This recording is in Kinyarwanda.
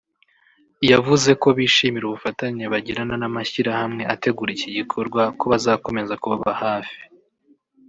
yavuze ko bishimira ubufatanye bagirana n’amashyirahamwe ategura iki gikorwa ko bazakomeza kubaba hafi